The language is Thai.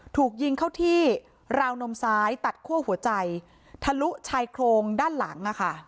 ถูกยิงเข้าที่ราวนมซ้ายตัดคั่วหัวใจทะลุชายโครงด้านหลัง